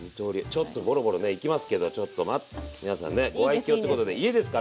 ちょっとゴロゴロねいきますけどちょっと待って皆さんねご愛きょうということで家ですから。